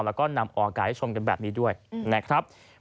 ต้องกันแบบนี้ด้วยนะครับ